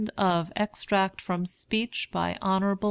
EXTRACT FROM A SPEECH BY HON.